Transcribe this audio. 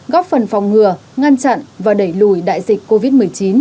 góp phần phòng ngừa ngăn chặn và đẩy lùi đại dịch covid một mươi chín